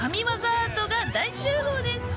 アートが大集合です！